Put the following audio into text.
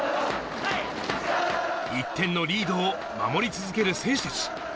１点のリードを守り続ける選手達。